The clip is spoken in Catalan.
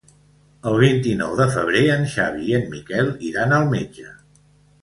El vint-i-nou de febrer en Xavi i en Miquel iran al metge.